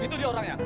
itu dia orangnya